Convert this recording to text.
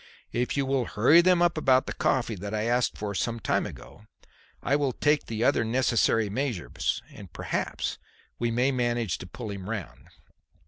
If you will hurry them up about the coffee that I asked for some time ago, I will take the other necessary measures, and perhaps we may manage to pull him round."